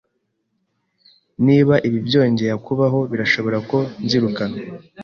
Niba ibi byongeye kubaho, birashoboka ko nzirukanwa.